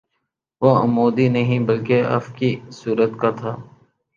وہ عمودی نہیں بلکہ افقی صورت کا تھا